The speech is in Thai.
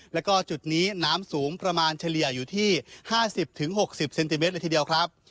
แล้วก็จุดนี้น้ำสูงประมาณเฉลี่ยอยู่ที่ห้าสิบถึงหกสิบเซนติเมตรละทีเดียวครับ